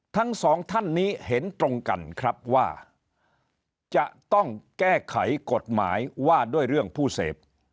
ทั้งสองท่านนี้เห็นตรงกันครับว่าจะต้องแก้ไขกฎหมายว่าด้วยเรื่องผู้เสพ